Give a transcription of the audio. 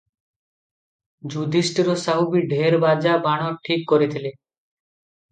ଯୁଧିଷ୍ଠିର ସାହୁ ବି ଢେର୍ ବାଜା, ବାଣ ଠିକ କରିଥିଲେ ।